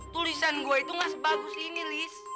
tulisan gua itu gak sebagus ini lis